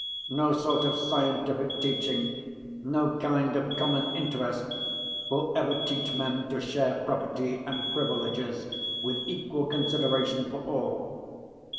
No sort of scientific teaching, no kind of common interest, will ever teach men to share property and privileges with equal consideration for all.